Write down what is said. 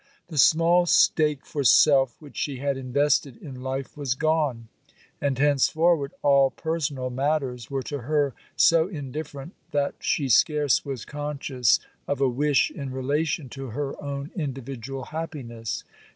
The small stake for self which she had invested in life was gone,—and henceforward all personal matters were to her so indifferent that she scarce was conscious of a wish in relation to her own individual happiness.